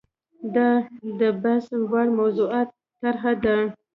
دا د بحث وړ موضوعاتو طرحه ده.